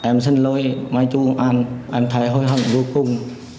em xin lỗi mai chú công an em thấy hối hận vô cùng